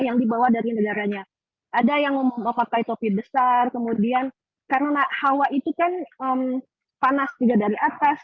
yang dibawa dari negaranya ada yang memakai topi besar kemudian karena hawa itu kan panas juga dari atas